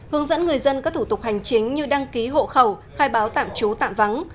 hướng dẫn người dân các thủ tục hành chính như đăng ký hộ khẩu khai báo tạm trú tạm vắng